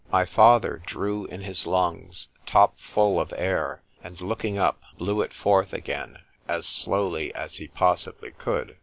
——My father drew in his lungs top full of air, and looking up, blew it forth again, as slowly as he possibly could.